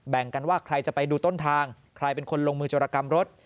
แบ่งกันว่าใครจะไปดูต้นทางใครเป็นคนลงมือจรกรรมรถ